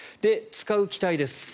使う機体です。